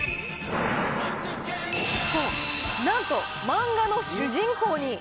そう、なんと漫画の主人公に。